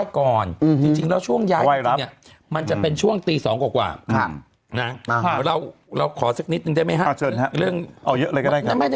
คือราหุย้ายไปเป็นที่เรียบร้อยแล้ว